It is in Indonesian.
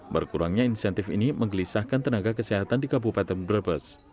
berkurangnya insentif ini menggelisahkan tenaga kesehatan di kabupaten brebes